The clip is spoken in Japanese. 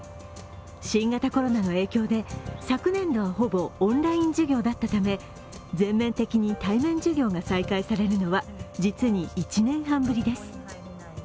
新型コロナの影響で昨年度はほぼオンライン授業だったため全面的に対面授業が再開されるのは、実は１年半ぶりです。